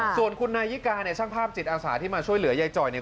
ส่วนคุณนายิกาเนี่ยช่างภาพจิตอาสาที่มาช่วยเหลือยายจ่อยเนี่ย